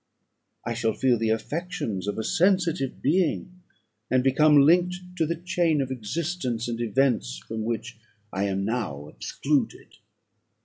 I shall feel the affections of a sensitive being, and become linked to the chain of existence and events, from which I am now excluded."